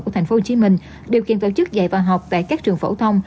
của tp hcm điều kiện tổ chức dạy và học tại các trường phổ thông